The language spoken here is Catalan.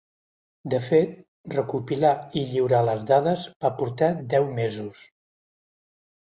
De fet, recopilar i lliurar les dades va portar "deu mesos".